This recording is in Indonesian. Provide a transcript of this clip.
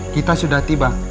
kita sudah tiba